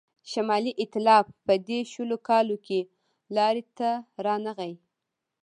شمالي ایتلاف په دې شلو کالو کې لاري ته رانغی.